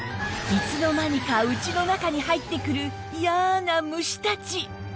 いつの間にか家の中に入ってくる嫌な虫たち